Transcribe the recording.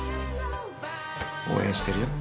応援してるよ。